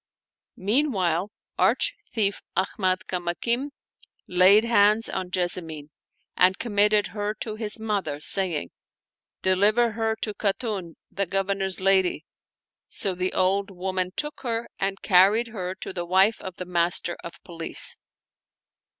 Meanwhile, arch thief Ahmad Kamakim laid hands on Jessamine, and committed her to his mother, saying, " De liver her to Khatun, the Governor's lady." So tiie old woman took her and carried her to the wife of the Master of Police.